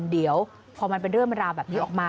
เดี๋ยวพอมันเป็นเรื่องราวแบบนี้ออกมา